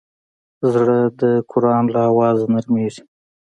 زړه د قرآن له اوازه نرمېږي.